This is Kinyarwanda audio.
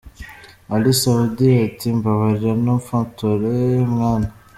Ally Soudy ati: "Mbabarira ntumfotore mwana!".